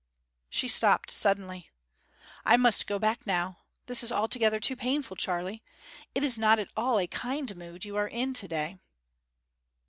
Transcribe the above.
She stopped suddenly. 'I must go back now this is altogether too painful, Charley! It is not at all a kind mood you are in today.'